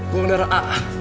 golongan darah a